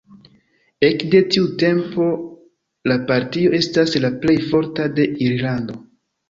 Ekde tiu tempo la partio estas la plej forta de Irlando.